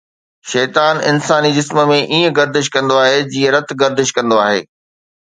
شيطان انساني جسم ۾ ائين گردش ڪندو آهي جيئن رت گردش ڪندو آهي